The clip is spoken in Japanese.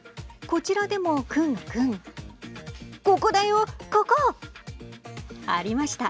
こちらでもくんくんここだよ、ここ。ありました。